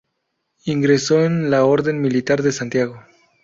Ingresó en la orden militar de Santiago.